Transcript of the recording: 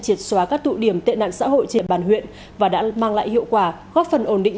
triệt xóa các tụ điểm tệ nạn xã hội trên bàn huyện và đã mang lại hiệu quả góp phần ổn định